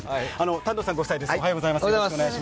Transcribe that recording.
丹野さんご夫妻です。